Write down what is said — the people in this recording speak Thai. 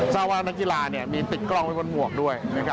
สาวนักกีฬามีติดกล้องไปบนหมวกด้วย